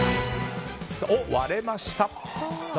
割れました。